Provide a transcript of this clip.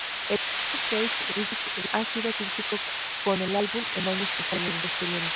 El mismo Keith Richards ha sido crítico con el álbum en años posteriores.